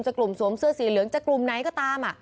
กลุ่มสวมเสื้อสีเหลืองจะกลุ่มไหนก็ตาม